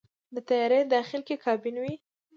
د طیارې داخل کې کابین وي.